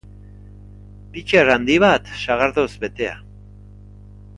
Pitxer handi bat sagardoz betea.